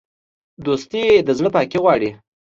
دوستي د زړه پاکي غواړي.